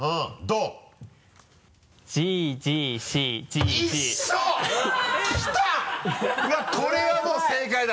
うわこれはもう正解だ。